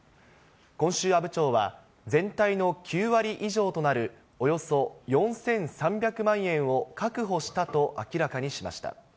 今週、阿武町は、全体の９割以上となるおよそ４３００万円を確保したと明らかにしました。